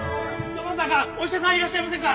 どなたかお医者さんいらっしゃいませんか！？